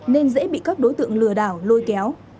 nên dễ bị các đối tượng lừa đảo lôi kéo